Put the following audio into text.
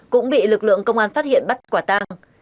cũng bị lực lượng công an phát hiện bắt quả tang